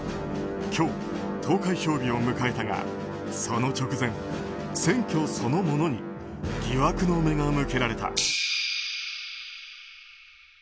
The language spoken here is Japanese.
今日、投開票日を迎えたがその直前選挙そのものに疑惑の目が向けられた。